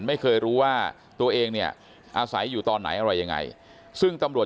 ไม่รู้ว่าตัวเองเนี่ยอาศัยอยู่ตอนไหนอะไรยังไงซึ่งตำรวจ